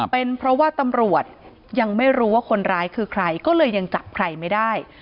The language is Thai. เป็นเพราะว่าตำรวจยังไม่รู้ว่าคนร้ายคือใครก็เลยยังจับใครไม่ได้